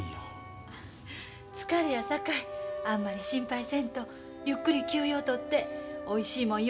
疲れやさかいあんまり心配せんとゆっくり休養をとっておいしいもんよ